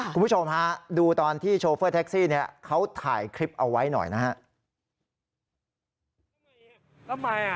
คุณผู้ชมฮะดูตอนที่โชเฟอร์แท็กซี่เนี่ยเขาถ่ายคลิปเอาไว้หน่อยนะฮะ